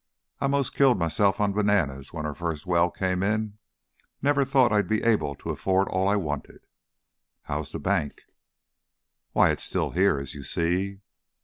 I 'most killed myself on bananas when our first well came in never thought I'd be able to afford all I wanted. How's the bank?" "Why, it's still here, as you see."